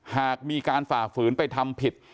หากมีการฝ่าฝืนไปทำผิด